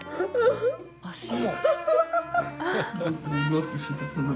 足も。